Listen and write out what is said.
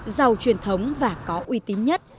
giàu truyền thống và có uy tín nhất